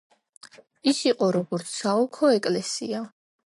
ის იყო როგორც საოლქო ეკლესია.